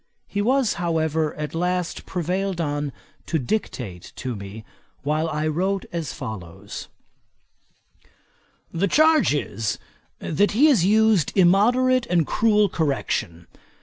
He was, however, at last prevailed on to dictate to me, while I wrote as follows: 'The charge is, that he has used immoderate and cruel correction.